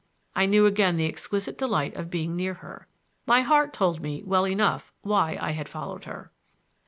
I knew again the exquisite delight of being near her. My heart told me well enough why I had followed her.